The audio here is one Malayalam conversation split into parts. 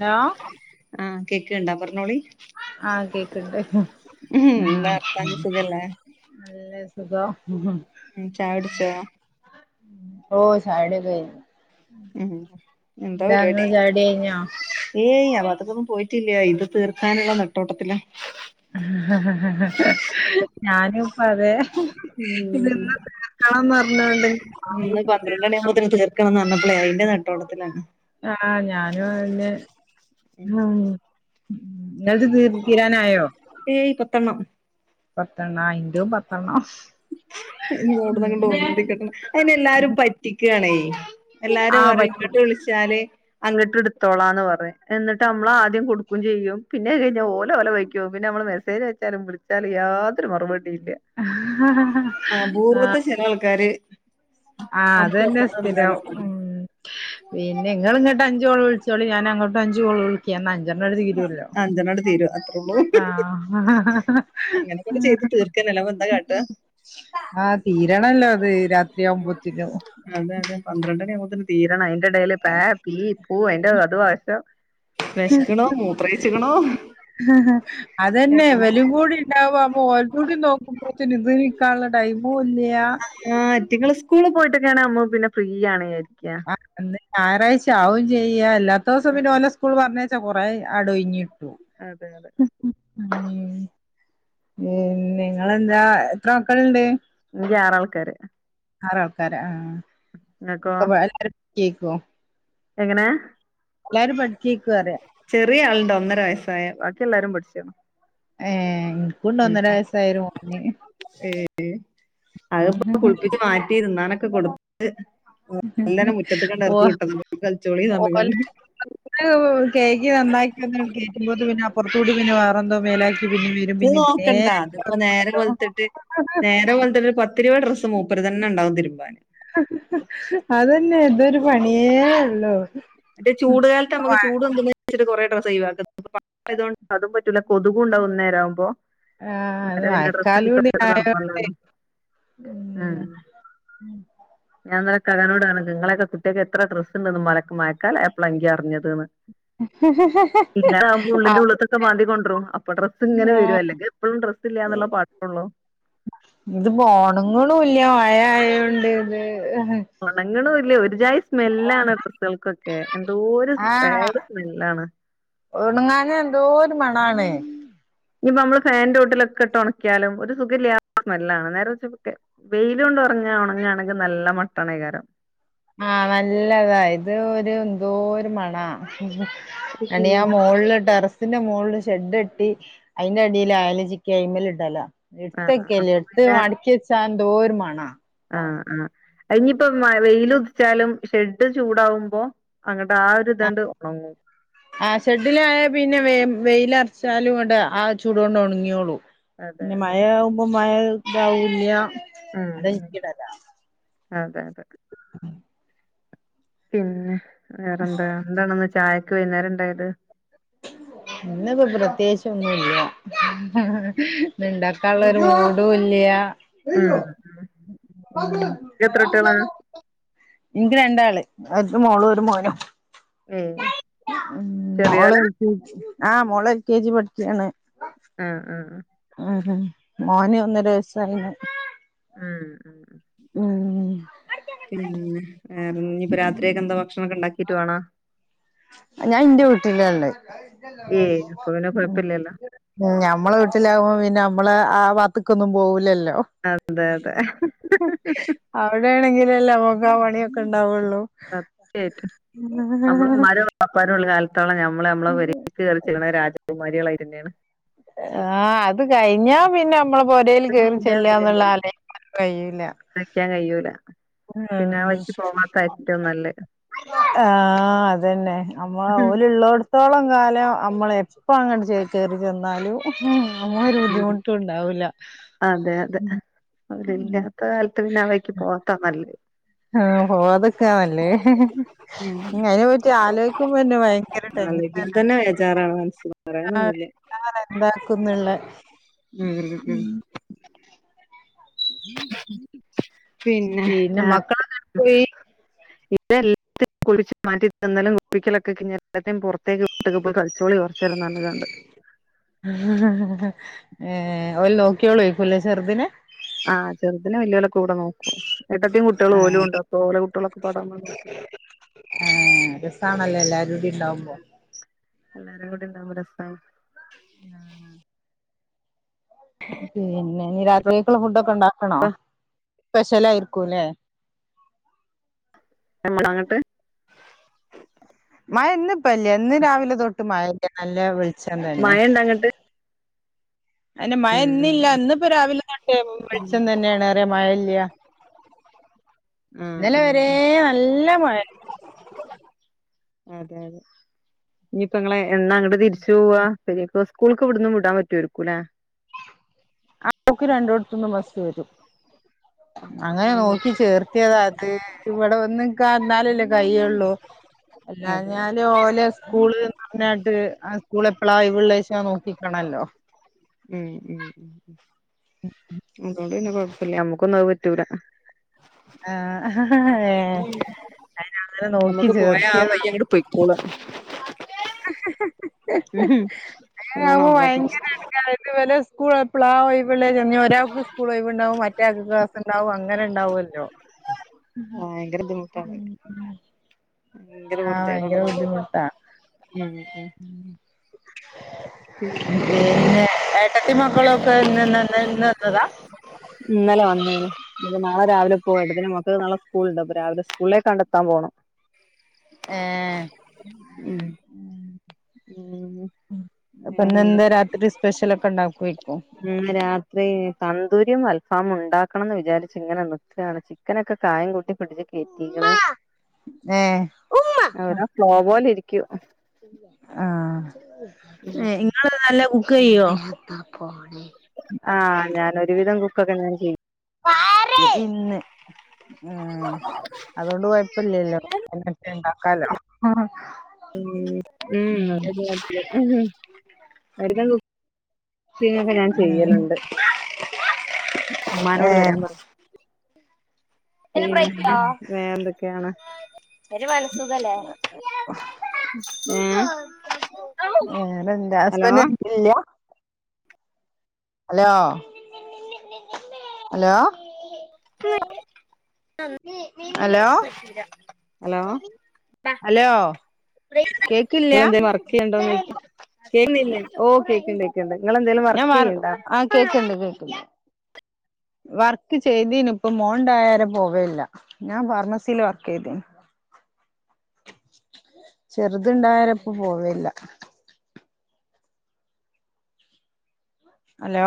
നോ ആഹ് കേക്ക്ണ്ടാ പറഞ്ഞോളി. ആഹ് കേക്ക്ണ്ട്. ഉം ആ. എന്താ വർത്താനം സുഖല്ലേ നല്ലേ സുഖം. ഉം ചായുടിച്ചോ? ഓ ചായുടിയൊക്കെ കയിഞ്ഞു. ഉം എന്താ പരിപാടി എന്താങ്ങളെ ചായുടി കയിഞ്ഞാ? ഏയ് ആഭാഗത്തക്കൊന്നും പോയിട്ടില്ല ഇന്ന് തീർക്കാനുള്ള നെട്ടോട്ടത്തിലാ. ഞാനും. അതെ ഉം ഇന്നന്ന തീർക്കണംന്ന് പറഞ്ഞോണ്ട് ക്കണന്ന് പറഞ്ഞപ്പോളെ അതിന്റെ നട്ടോട്ടത്തിലാണ്. ആഹ് ഞാനും അതന്നെ. ഉം നിങ്ങള്ത് തീ തീരാനായോ. ഏയ് പത്തെണ്ണം പത്തെണ്ണായി ന്റെതും പത്തേണ്ണോ. ഉം അന്നെ എല്ലാരും പറ്റിക്കാണേ. എല്ലാരും ആഹ് പറയും പറ്റി ങ്ങുട്ട് വിളിച് ചാല് അങ്ങിട്ട് എടുത്തോളാന്ന് പറയു. എന്നിട്ട് നമ്മൾ ആദ്യം കൊടു ക്കും ചെയ്യും പിന്നെ അത് കഴിഞ്ഞാ ഓലവല വയ്ക്ക് പോകും. പിന്നെ നമ്മൾ മെസേജയച്ചാലും വിളിച്ചാലു യാതൊരു മറുപടി ഇല്ല. ആഹ്. ചെല ആൾക്കാര് ആഹ് അത് തന്നെ സ്ഥിരം. നിന്നാലും ഉം പിന്നെ നിങ്ങളിങ്ങ്ട്ട് അഞ്ചു കോൾ വിളിച്ചോളി ഞാനങ്ങോട്ട് അഞ്ചു കോള് വിളിക്ക എന്നാ അഞ്ചെണ്ണം അങ്ങ് തീരുല്ലോ? അഞ്ചെണ്ണാണ്ട് തീരും അത്രേള്ളൂ ആഹ് അങ്ങനെ കൊണ്ട് ചെയ്ത് തീർക്കന്നല്ലിപ്പൊന്താ കാട്ട്വാ? ആഹ് തീരണല്ലോ അത് രാത്രിയാവുമ്പോത്തിനും. അതെ അതെ പന്ത്രണ്ടണിയാവുമ്പൊത്തന്നെ തീരണം. അയ്ന്റെ എടേല് പേ പീ പൂ അയിന്റെ അത് [unintelligible] വിശക്കണോ മൂത്രയിച്ച്ക്കണോ അതന്നെ വെലും കൂടി വാ പൂവ്വ എല്ലൂടി നോക്കുമ്പോത്തന് ഇതി ഇക്കാണുന്ന ടൈമൂ ഇല്ല്യ. ആഹ് ഇയിറ്റിങ്ങള് സ്കൂള് പോയിട്ടൊക്കെയാണാവുമ്പോ പിന്നെ ഫ്രീ ആണ് വിയാരിക്കാ. ന്ന്‌ ഞായറയ്ച്ച ആവും ചെയ്യ അല്ലാത്ത ദിവസം പിന്നെ ഓലെ സ് സ്കൂൾ പറഞ്ഞയച്ചാ കൊറെ ആടൊയിഞ്ഞിട്ടും അതെ അതെ. പിന്നിങ്ങളെന്താ. എത്ര മക്കള്ണ്ട്? ഈടെ ആറാൾക്കാര്. ആറാൾക്കാര് ആഹ്. നിങ്ങക്കോ ഒക്കെ പഠി എല്ലാരും പഠിക്കേക്കും എങ്ങനെ? പഠിക്കേക്കു പറയാ ചെറിയ ആള്ണ്ട്. ഒന്നര വയസ്സായെ. ബാക്കി എല്ലാരും പഠിച്ചെയാണ്. ഏഹ്. ഇനിക്കൂണ്ട് ഒന്നര വയസായൊരു മോന്. അത്പ്പോ കുളിപ്പിച്ച് മാറ്റി തിന്നാനൊക്കെ കൊടുത്തു. ത് മ് മെല്ലനെ മുറ്റത്ത്ക്കണ്ടർക്കി വിട്ടതാ മുറ്റത്ത്. കളിച്ചോളിന്ന്‌ പറഞ്ഞിക്കാണ്ട്. [unintelligible] കേയ്കി നന്നാക്കിന്ന് കേക്കുമ്പോ പിന്നെ അപ്പറത്ത കൂടി പിന്നെ വേറെന്തോ മേലാക്കി പിന്നെ വരും ഇനി പിന്നെ ഇതേ നോക്കണ്ട അതിപ്പോ നേരം വെളിത്തിട്ട് നേരം വെള്ത്തിട്ട് പ ത്തിരിപത് ഡ്രസ് മൂപ്പരെ തന്നെ ഇണ്ടാവും തിരുമ്പാൻ. അതന്നെ ഇതൊരു പണിയേ ഒള്ളോ മറ്റേ ചൂട കാലത്ത് നമ്മക്ക് ചൂട് പെന്തും ചാരിച്ച്ട്ട് കുറെേട്രസ് ഒഴിവാക്കുന്ന [unintelligible] തൊണ്ട് അതും പറ്റൂല കൊതുകും ണ്ടാകുംഇന്നേര ആവുമ്പോ ആ അത് അന്നേരം പിന്നെ ഡ്രസ് മഴക്കാലം കിട്ട കൂടി [unintelligible] നിർബന്ധ ആണ് ആയോണ്ട് ഉം ഞാൻ ഇന്നലെ ഇ ക്കാ കാനോ ട് റഞ്ഞ് ഇങ്ങളൊക്കെ കുട്ടിയൊക്ക്എത്ര ഡ്രസ്സ് ണ്ട്ന്ന് മഴക്ക മഴക്കാല യപ്പളാ ഇൻങ്ക് അറിഞ്ഞത് ഇല്ലാതാവുമ്പോ ഉള്ളിന്റെ അത് ഉള്ളത്തൊെക്കെ മാതി കൊണ്ടരും അപ്പൊ ഡ്രസ്ങ്ങനെ വരും അല്ലങ്കി എപ്പോഴും ഡ്രസ്സ്ല്ല ന്ന്ള്ള പാട്ട് ഒള്ളു ഇത് പോ ഓണങ്ങ് ണുംഇല്ല മഴ ആയോണ്ട് ഇത് ഒണങ്ങ്ണുല്ല ഒര് ജായി സ്മെല്ലാണ് ഡ്രസ്സൊൾക്കൊക്കെ എന്തോര് ബാഡ് സ്മെല്ലാണ് ഒണങ്ങാഞ്ഞഎന്തോര് മണാണ് ഇനിപ്പൊ നമ്മള് ഫാൻന്റൊട്ടിലൊക്കെ ഇട്ട് ഒണക്കിയാലും ഒര് സുഖല്ലാത്ത സ്മെല്ലാണ് നേരർച്ച് കുട്ട്യോ വൈല് കൊണ്ട് ഉറങ്ങ ഒണങ്ങാണെങ്കി നല്ല മട്ടാണെയ്കാരം ആ നല്ലതാ ഇത് ഒര് എന്തോര് മണാ ഒരു [unintelligible] ചീഞ്ഞ ഞാം മോള് ല് ടെറസ് ത്തിന്റെ മോള്ല് ഷെഡ് കെട്ടി അയിന്റെ അടീല്ആയല് ചിക്കി അയ്മല് ഇടലാ ഇട്ത്തെ ആഹ് കേല്ല അപ്പൊ ഇട്ത്ത് മടക്കി വെച്ചാ എന്തോ ര് മണാ ആ ആ അഹ്‌ ഞ്ഞ് പ്പം വെയ്ല് ഉദിച്ചാലും ഷെഡ് ചൂടാവുമ്പോ അങ്ങട്ട് ആ ഒരു ഇതാണ്ട് ഒണങ്ങും ആ ഷെഡിലായാ പിന്നെ വെ വെയില ർച്ചാലും ങ്ങട്ട് ആ ചൂടൊണ്ട് ഒണങ്ങിയോ ളും അതെ ന്നെ അതെ മഴാമ്പോ മഴ ഇതാവുല്ല ഉം ഉ അതെ അതെ പിന്നെ വേറെന്താ എന്താണ്ന്ന് ചായക്ക് വൈന്നേരം ണ്ടായത് ഇന്ന്പ്പം പ്രതേച്ച് ഒന്നുല്ല്യ ഇന്ന് ണ്ടാകാള്ളരു മൂടുല്ല ഉം ശിച്ചോ. ഇയ്യ് എത്ര കുട്ടികളാ ഇൻക്ക് രണ്ടാള് ഒര് മോളും ഒരു മോനും. ഏയ് മം മോള് ചെറിയോലാ എൽ കെ ജി. ആഹ് മോള് എൽ കെ ജി പഠിക്കാണ്. മം മം മംഹം മോന് ഒന്നര വയസ്സായിണ്. ആ ആ. മം മം പിന്നെ വേറെ. ഇഞ്പ്പോ രാത്രിയൊക്കെ എന്താ? ഭക്ഷണൊക്കെ ഉണ്ടാക്കിട്ട് വേണാ? ഞാൻ ഇന്റെ വീട്ടിലാഇള്ളേ. ഏയ് അപ്പപിന്നെ കുഴപ്പില്ലല്ലോ? ഉം ഞമ്മളെ വീടിൽലാകുമ്പോ പിന്നെ, നമ്മള് ആ വാത്ത്ക്കൊന്നും പോവുലല്ലോ? അതെ അതെ. അവിടെ ആണെങ്കിലിൽ അല്ലെ നമ്മക്ക് ആ പണിയൊക്കെ ഉണ്ടാവോള്ളൂ. സത്യായിട്ടും. നമ്മള ഇമ്മാരോ ഇപ്പാരും ഉള്ളകാലത്തോളം നമ്മള് നമ്മളെ പെരീക്ക് കേറിചെല്ല്ണ രാജകുമാരികളായി തന്നെയാണ്. ആ അത് കഴിഞ്ഞാ പിന്നെ നമ്മളെ പൊരൽ കെയറി ചെല്ലന്നുള്ളത് ആലോയ് യ്ക്കാൻ കഴിയൂല. പിന്നെ ആ ആഹ് വഴിക്ക് പോവാത്ത ഏറ്റവും നല്ലത്. ആഹ് അതെന്നെ. നമ്മൾ ഓല്ള്ളോട് ഇള്ളോത്തോളം കാലം അമ്മൾ എപ്പോം അങ്ങോട്ട് കയറി ചെന്നാലും മം ഒര്ബുദ്ധിമുട്ടുംണ്ടാവുല്ല. അതെ അതെ [unintelligible] കാലത്ത് പിന്നെ ആ വയ്ക്ക് പോവാത്താ നല്ലത്. ആ പോവാതെ നിക്കാ നല്ലത്. ഉം അയിനെ പറ്റി ആലോയിക്കുമ്പോ ന്നെ ഭയങ്കരടെൻഷ അല്ലെങ്കി തന്നെ ബേജാറാണ് മനസ്സില് ആ എന്താക്കുംന്ന്ള്ള മം മം ഉം [unintelligible] പിന്നെ വേറെത്ത മക്കളൊക്കെ പോയി [unintelligible] [unintelligible] [inaudible] [unintelligible] കളിച്ചോളി കൊറച്ചേരം പറഞ് കാണ്ട്. മം മംഹ് എ ഓല് നോക്കിയോളെക്കുംലെ ചെറ്തിനെ ആ ചെറ്തിനെ വല്ല്യോലോക്കെ കൂടെ നോക്കും. ഏട്ടത്തിമം കുട്ട്യോളും ആഹ് ഓലുംണ്ട്. അപ്പോ ഓലെ കുട്ട്യോള്ളൊക്കപാടെ ആഹ് രസാണല്ലേ എല്ലാരൂടിം ഇണ്ടാവുമ്പോ. എല്ലാരും കൂടിണ്ടാവുമ്പോ രസാ. ആ [inaudible] പിന്നെ ഇഞ് രാത്രിയേക്കുള്ള ഫുഡ് ഒക്കെ ഇണ്ടാക്കണോ? സ്പെഷ്യലായിരിക്കൂല്ലെ? [unintelligible] അങ്ങട്ട് മയാ ഇന്ന് ഇപ്പല്ല. ഇന്ന് രാവിലെ തൊട്ട് മഴല്ല, നല്ല വെള്ച [unintelligible] തന്നെ മഴ ഇണ്ട അങ്ങട്ട് അയ്നു മഴ ഉം ഇന്നല്ല. ഇന്ന്പ്പ രാവിലെ [unintelligible] തന്നെയാണ് മഴ ഇല്ല. ഉം ആഹ് ഇന്നലെ വരേ ആഹ് നല്ല മഴ. അതെ അതെ. ഇനിയിപ്പങ്ങളെ എന്നാ അങ്ങട്ട് തിരിച്ചു പോവാ? ശരി അപ്പൊ സ്കൂൾക്കും ഇവിടന്ന് വിടാൻ പറ്റോയിരിക്കൂല്ലേ? ആ നോക്കി രണ്ടടത്തൊന്നും ബസ്‌ വരും ഉം അതോണ്ട് അങ്ങനെ പിന്നെ നോക്കി കൊഴപ്പല്ല ചേർത്തിയതാ അത് ഇവിടെ ഒന്നും കന്നാലല്ലേ കൈയ്യുള്ളൂ അതെ അതെ അല്ലാഞ്ഞാല് ഓലെ സ്കൂള് പറഞ്ഞായിട്ട് ആ സ്കൂള് എപ്പഴാ ഒഴിവിള്ളച്ച നോക്കിക്കണല്ലോ ഉം ഉം അതുകൊണ്ട് പിന്നെ കൊഴപ്പില്ല നമ്മക്കൊന്നും അത് പറ്റൂല ആഹ് അന അങ്ങനെ നോക്കി ചേർത്തിയ പൊയ്ക്കോളാ അതാണ് അങ്ങനാവുമ്പോ നമ്മളൊക്കെ ഭയങ്കര പ്രശ്നം എടുക്കായി വല [unintelligible] ഒരാൾക്ക് സ്കൂൾവൈബ് ഉണ്ടാവും മറ്റയാൾക്ക് ക്ലാസ് ഉണ്ടാവും അങ്ങനെ ഉണ്ടാവല്ലോ ഭയങ്കര ബുദ്ധിമുട്ടാണ് മ്മ് മ്മ് ഭയങ്കര ആ പൊറുതേടാണ് ഭയങ്കര അങ്ങനെ ബുദ്ധിമുട്ടാ ഉം ഉം പിന്നെ ഏട്ടത്തി മക്കളൊക്കെ ഇന്നന്ന ഇന്ന് വന്നതാ ഇന്നല്ലെ വന്നേനു പിന്നെ നാളെ രാവിലെ പോയിട്ടത്തേന് മക്കക്ക് നാളെ സ്കൂളുണ്ട് അപ്പോ രാവിലെ സ്കൂളിലേ കണ്ടെത്താൻ പോകണം ആഹ്‌ ഉം ഉം അപ്പൊ വേറെന്താ ഇന്നെന്താ രാത്രി സ്പഷ്യലൊക്കെ ഉണ്ടാക്കി വെക്കോ ഉം രാത്രി തന്ദൂരിയും അൽഫാമും ഉണ്ടാക്കണംന്ന് വിചാരിച്ച് ഇങ്ങനെ നിക്കാണ് ചിക്കനൊക്കെ കായം കൂട്ടി ഫ്രിഡ്ജി കെട്ടിക്കെണ് ഏ അവിടെ ഫ്ലോ പോലെ ഇരിക്കൂ ആഹ് ഇങ്ങള് നല്ല കുക്ക് ചെയ്യോ ആ ഞാൻ ഒരുവിധം കുക്കൊക്കെ ഞാൻ ചെയ്യും ഇന്ന് ഉം അതുകൊണ്ട് കുഴപ്പില്ലല്ലോ ഉണ്ടാക്കാലോ ഉം ഉം ഉം [unintelligible] കുക്കിങ്ങോക്കെ ഞാൻ ഉം ചെയ്യലുണ്ട് ഏ അമ്മാനോട് വെരാൻ പറഞ്ഞു വേറെന്തോക്കെയാണ് മ്മ് വേറെ എന്താ ഹസ്ബന്റ് ഹലോ ഹലോ പി ഹലോ ഹലോ കേക്കില്യാ [inaudible] കേൾക്കുന്നില്ലേ ഓ കേക്ക്ണ്ട് കേക്ക്ണ്ട് നിങ്ങളെന്തേലും വർക്ക് ചെയ്യ്ണ്ടോ കേക്ക്ണ്ട് കേക്കുണ്ട് വർക്ക് ചെയ്തിനു പ്പം മോൻ ഇണ്ടായാരെ പോവെലില്ല ഞാൻ ഫാർമസിൽ വർക്ക് ചെയ്ത ചെറുതുണ്ടായരെ ഇപ്പം പോവേലില്ല hello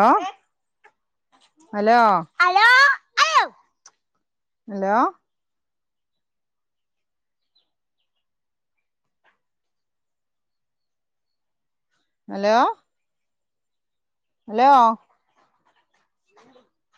hello hello hello hello hello